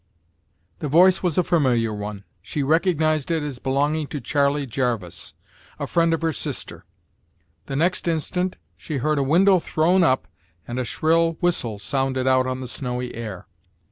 The voice was a familiar one. She recognised it as belonging to Charley Jarvis, a friend of her sister. The next instant she heard a window thrown up, and a shrill whistle sounded out on the snowy air.